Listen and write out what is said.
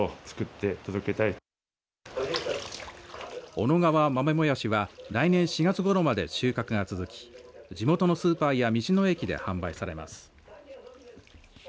小野川豆もやしは来年４月ごろまで収穫が続き地元のスーパーや道の駅で販売されます。